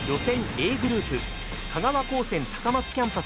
Ａグループ香川高専高松キャンパス